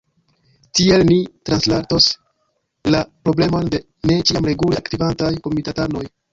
Tiel ni transsaltos la problemon de ne ĉiam regule aktivantaj komitatanoj.